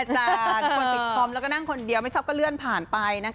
คนปิดคอมแล้วก็นั่งคนเดียวไม่ชอบก็เลื่อนผ่านไปนะคะ